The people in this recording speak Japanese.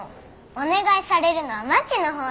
お願いされるのはまちのほうだよ。